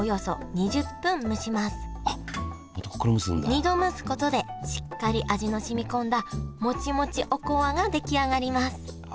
２度蒸すことでしっかり味の染み込んだモチモチおこわが出来上がりますあ